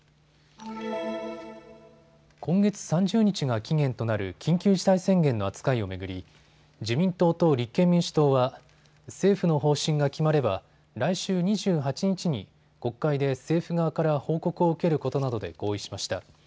今月３０日が期限となる緊急事態宣言の扱いを巡り自民党と立憲民主党は政府の方針が決まれば来週２８日に国会で政府側から報告を受けることなどで合意しました。